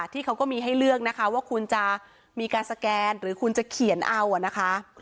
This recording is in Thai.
ที่เขาก็มีให้เลือกนะคะว่าคุณจะมีการสแกนหรือคุณจะเขียนเอานะคะ